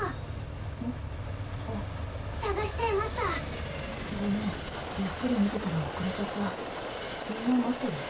あっ捜しちゃいましたごめんゆっくり見てたら遅れちゃったみんな待ってる？